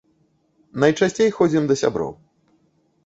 Найчасцей ходзім да сяброў.